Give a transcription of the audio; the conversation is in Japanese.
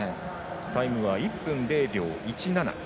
タイムは１分０秒１７。